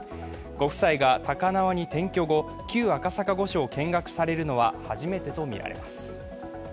ご夫妻が高輪に転居後、旧赤坂御所を見学されるのは初めてとみられます。